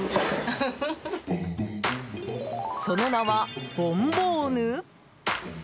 その名は、ボンボーヌ？